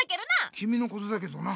きみのことだけどな。